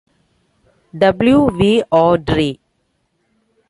W. V. Awdry.